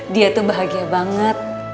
dia tuh bahagia banget